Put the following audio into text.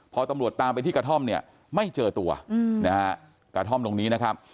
พอตำรวจตามไปที่กระท่อมเนี่ยไม่เจอตัวนะฮะกระท่อมตรงนี้นะครับ